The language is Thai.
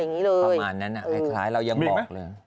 ประมาณนั้นคร้ายเหลือกลอยยังบอกเลย